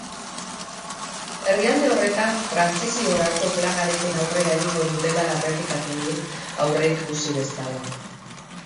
Herrialde horretan trantsiziorako planarekin aurrera egingo dutela errepikatu du, aurreikusi bezala.